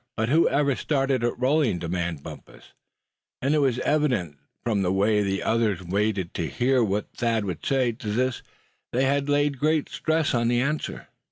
"But whoever started it rolling?" demanded Bumpus; and it was evident from the way the others waited to hear what Thad would say to this, that they laid great stress on the answer.